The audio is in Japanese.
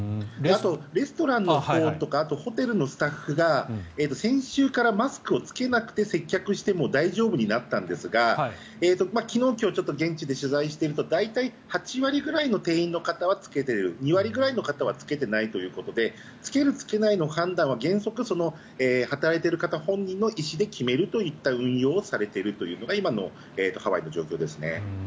あと、レストランのほうとかホテルのスタッフが先週からマスクを着けなくて接客しても大丈夫になったんですが昨日今日現地で取材していると大体８割ぐらいの店員の方は着けている２割ぐらいの方は着けていないということで着ける着けないの判断は原則、働いている方本人の意思で決めるといった運用をされているというのが今のハワイの状況ですね。